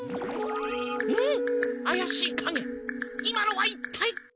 今のはいったい。